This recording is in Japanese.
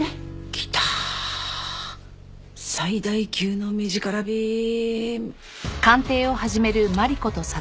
きた最大級の目力ビーム。